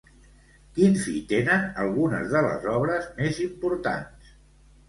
Quin fi tenen algunes de les obres més importants?